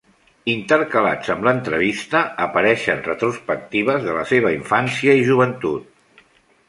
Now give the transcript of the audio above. Intercalats amb l'entrevista, apareixen retrospectives de la seva infància i joventut.